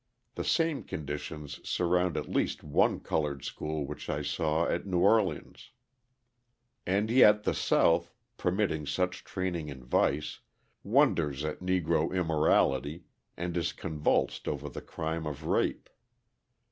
The same conditions surround at least one coloured school which I saw at New Orleans. And yet the South, permitting such training in vice, wonders at Negro immorality and is convulsed over the crime of rape.